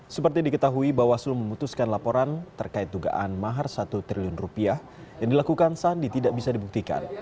seperti diketahui bawaslu memutuskan laporan terkait dugaan mahar satu triliun rupiah yang dilakukan sandi tidak bisa dibuktikan